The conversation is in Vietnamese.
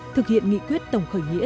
thực hiện nghị quyết tổng khởi nghĩa